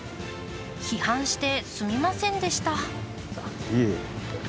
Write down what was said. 批判してすみませんでした。